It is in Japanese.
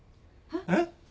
えっ？